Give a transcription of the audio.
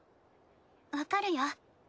わかるよ。